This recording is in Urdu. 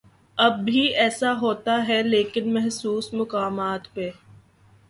اب بھی ایسا ہوتا ہے لیکن مخصوص مقامات پہ۔